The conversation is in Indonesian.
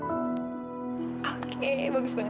oke bagus banget